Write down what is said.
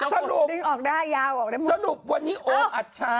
สรุปสรุปวันนี้โอ้มอัชชา